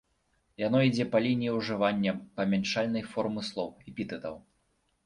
Яно ідзе па лініі ўжывання памяншальнай формы слоў, эпітэтаў.